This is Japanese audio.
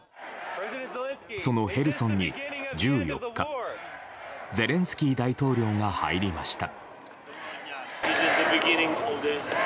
そのヘルソンに１４日ゼレンスキー大統領が入りました。